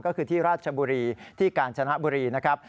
ก็คือที่ราชบุรีที่กาญจนบุรีนะครับ